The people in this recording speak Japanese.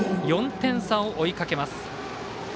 ４点差を追いかけます。